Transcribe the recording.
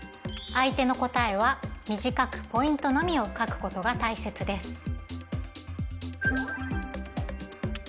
相手の答えは短くポイントのみを書くことがたいせつです。